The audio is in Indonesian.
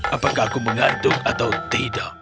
apakah aku mengantuk atau tidak